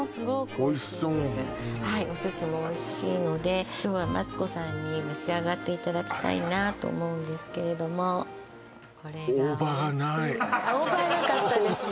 おいしそうはいお寿司もおいしいので今日はマツコさんに召し上がっていただきたいなと思うんですけれどもこれがおいしいあっ大葉はなかったですね